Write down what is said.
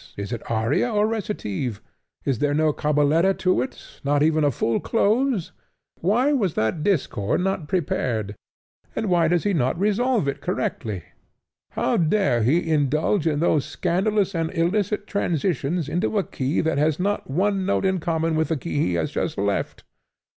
Is it aria, or recitative? Is there no cabaletta to it not even a full close? Why was that discord not prepared; and why does he not resolve it correctly? How dare he indulge in those scandalous and illicit transitions into a key that has not one note in common with the key he has just left?